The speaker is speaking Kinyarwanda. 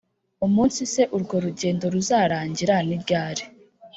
umunsi se urwo rugendo ruzarangira ni ryari